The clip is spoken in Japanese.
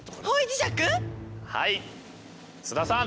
はい須田さん。